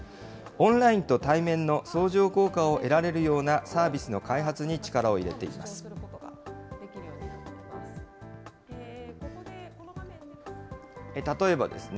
オンラインと対面の相乗効果を得られるようなサービスの開発に力を入れています。